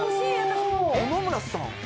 野々村さん。